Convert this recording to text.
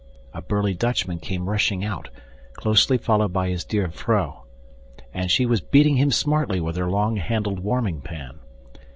A burly Dutchman came rushing out, closely followed by his dear vrouw, and she was beating him smartly with her long handled warming pan.